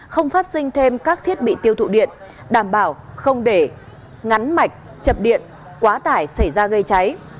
không phát sinh thêm các thiết bị tiêu thụ điện đảm bảo không để ngắn mạch chập điện quá tải xảy ra gây cháy